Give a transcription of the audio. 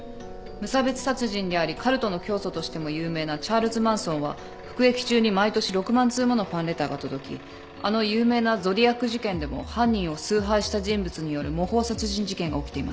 無差別殺人でありカルトの教祖としても有名なチャールズ・マンソンは服役中に毎年６万通ものファンレターが届きあの有名なゾディアック事件でも犯人を崇拝した人物による模倣殺人事件が起きています。